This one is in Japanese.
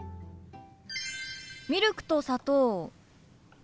ミルクと砂糖いる？